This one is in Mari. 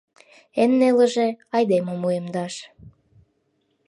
Эн нелыже — айдемым уэмдаш.